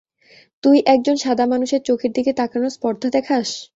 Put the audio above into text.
তুই একজন সাদা মানুষের চোখের দিকে তাকানোর স্পর্ধা দেখাস?